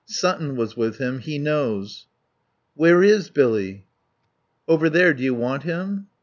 Sutton was with him. He knows." "Where is Billy?" "Over there. Do you want him?"